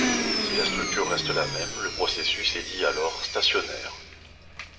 Si la structure reste la même, le processus est dit alors stationnaire.